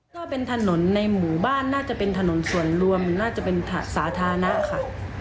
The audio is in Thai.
ก็เป็นถนนในหมู่บ้านน่าจะเป็นถนนส่วนรวมน่าจะเป็นสาธารณะค่ะ